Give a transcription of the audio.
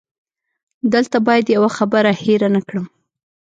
دلته باید یوه خبره هېره نه کړم.